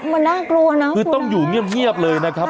มันน่ากลัวเนอะคือต้องอยู่เงียบเลยนะครับ